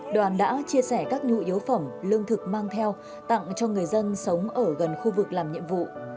đoàn đã chia sẻ các nhu yếu phẩm lương thực mang theo tặng cho người dân sống ở gần khu vực làm nhiệm vụ